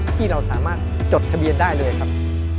ที่เราสามารถจดทะเบียนได้เลยครับ